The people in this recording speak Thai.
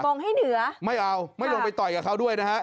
งงให้เหนือไม่เอาไม่ลงไปต่อยกับเขาด้วยนะฮะ